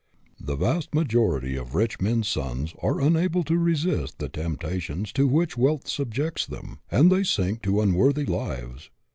" The vast majority of rich men's sons are unable to resist the temptations to which wealth subjects them, and they sink to unworthy lives.